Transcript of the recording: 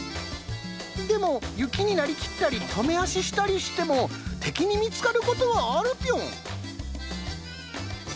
でも雪になりきったり止め足したりしても敵に見つかることはあるピョン。